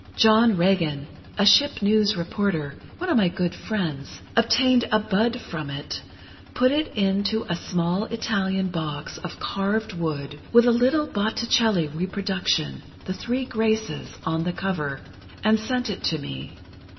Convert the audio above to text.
John Regan, a ship news reporter, one of my good friends, obtained a bud from it, put it into a small Italian box, of carved wood, with a little Botticelli reproduction, 'The Three Graces,' on the cover, and sent it to me.